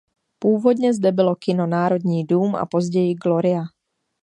Původně zde bylo kino Národní dům a později Gloria.